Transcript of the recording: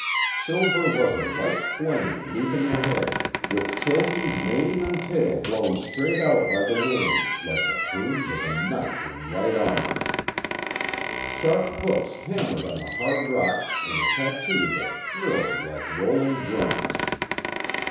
Silver was a white flame leaping ahead, with silky mane and tail blown straight out by the wind, like the plumes of a knight in white armor. Sharp hoofs hammered on the hard rocks in a tattoo that thrilled like rolling drums.